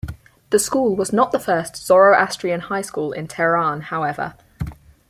The school was not the first Zoroastrian high school in Tehran however.